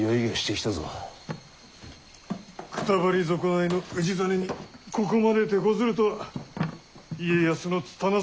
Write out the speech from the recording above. くたばり損ないの氏真にここまでてこずるとは家康の拙さたるや。